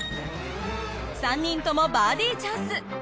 ３人ともバーディチャンス。